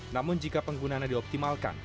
namun jika penggunaannya dioptimalkan